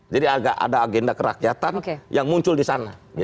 jadi ada agenda kerakyatan yang muncul di sana